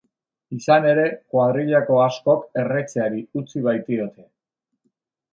Izan ere, kuadrillako askok erretzeari utzi baitiote.